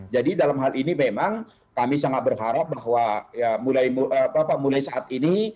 jadi dalam hal ini memang kami sangat berharap bahwa mulai saat ini